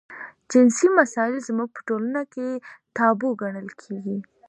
جنسي مسایل زموږ په ټولنه کې تابو ګڼل کېږي.